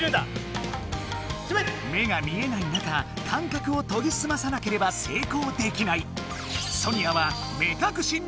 目が見えない中感覚をとぎすまさなければ成功できない。